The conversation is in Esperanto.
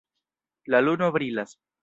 La luno brilas.